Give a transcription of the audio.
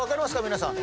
皆さん。